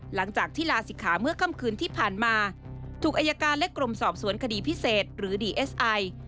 หลังจากที่ลาศิกขาเมื่อค่ำคืนที่ผ่านมาถูกอายการและกรมสอบสวนคดีพิเศษหรือดีเอสไอ